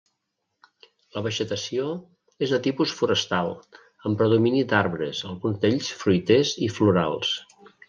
La vegetació és de tipus forestal, amb predomini d'arbres, alguns d'ells fruiters i florals.